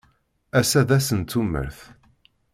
Ass-a d ass n tumert.